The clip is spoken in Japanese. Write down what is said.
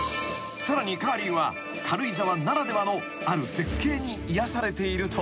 ［さらにカーリーは軽井沢ならではのある絶景に癒やされているという］